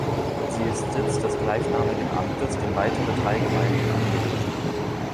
Sie ist Sitz des gleichnamigen Amtes, dem weitere drei Gemeinden angehören.